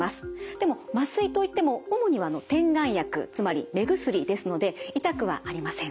でも麻酔と言っても主には点眼薬つまり目薬ですので痛くはありません。